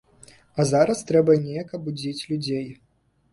А зараз трэба неяк абудзіць людзей.